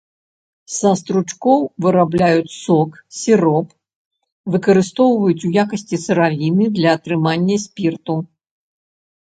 Са стручкоў вырабляюць сок, сіроп, выкарыстоўваюць у якасці сыравіны для атрымання спірту.